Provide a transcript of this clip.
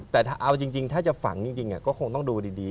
แต่ถ้าเอาจริงถ้าจะฝังจริงก็คงต้องดูดี